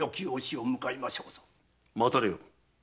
待たれよ。